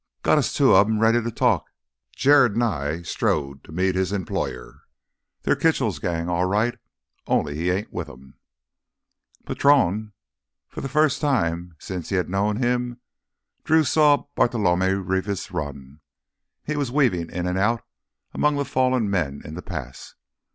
"Got us two of 'em ready to talk!" Jared Nye strode to meet his employer. "They're Kitchell's gang, all right. Only he ain't with 'em." "Patrón—" For the first time since he had known him Drew saw Bartolomé Rivas run. He was weaving in and out among the fallen men in the pass.